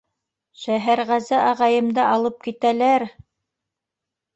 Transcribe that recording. Шәһәрғәзе ағайымды алып китәләр!